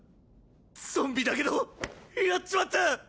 ゾンビだけどやっちまった！